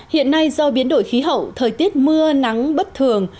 hiện nay do biến đổi khí hậu thời tiết mưa nắng bất thường